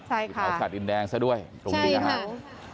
แถวสัตย์ดินแดงซะด้วยตรงนี้นะครับ